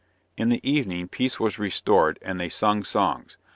In the evening peace was restored and they sung songs.